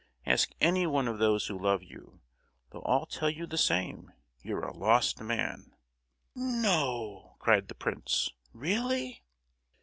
Ask any one of those who love you, they'll all tell you the same; you're a lost man!" "No," cried the prince, "really?"